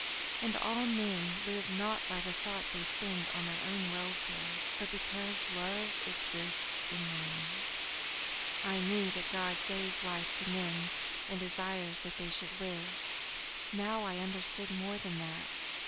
And all men live not by the thought they spend on their own welfare, but because love exists in man. "I knew before that God gave life to men and desires that they should live; now I understood more than that.